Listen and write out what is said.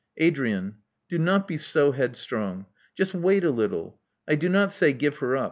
Adrian: do not be so headstrong. Just wait a little. I do not say *give her up.